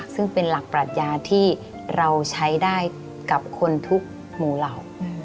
ซึ่งเป็นหลักปรัชญาที่เราใช้ได้กับคนทุกหมู่เหล่า